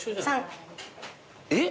えっ？